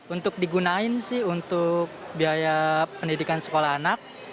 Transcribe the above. untuk digunain sih untuk biaya pendidikan sekolah anak